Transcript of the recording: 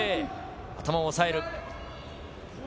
頭を押さえる。